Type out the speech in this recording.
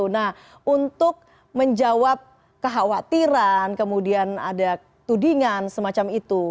nah untuk menjawab kekhawatiran kemudian ada tudingan semacam itu